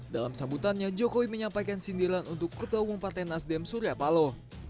dalam sambutannya jokowi menyampaikan sindiran untuk ketua umum partai nasdem surya paloh